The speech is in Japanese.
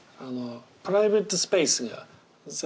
プライベートスペースが全然違う。